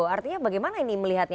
artinya bagaimana ini melihatnya